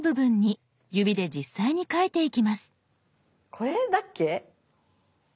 これだっけ？